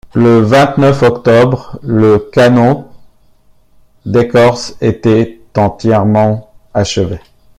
Le vingt-neuf octobre, le canot d’écorce était entièrement achevé.